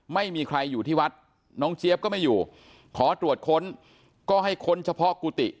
ไม่มีใครอยู่ที่วัดน้องเจี๊ยบก็ไม่อยู่ขอตรวจค้นก็ให้ค้นเฉพาะกุฏิ